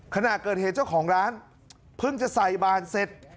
ขณะเกิดเหตุเจ้าของร้านเพิ่งจะใส่บานเสร็จ